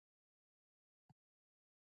باران د افغانستان د پوهنې په نصاب کې شته.